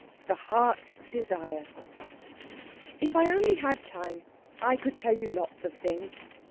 THE HEART'S DESIRE If I only had time I could tell you lots of things.